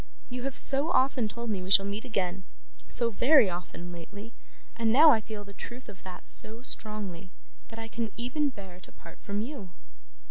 You have so often told me we shall meet again so very often lately, and now I feel the truth of that so strongly that I can even bear to part from you.